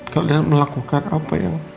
kalian melakukan apa yang